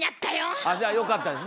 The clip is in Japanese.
あっじゃあよかったですね